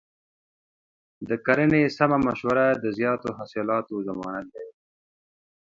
د کرنې سمه مشوره د زیاتو حاصلاتو ضمانت دی.